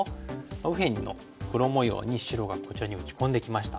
右辺の黒模様に白がこちらに打ち込んできました。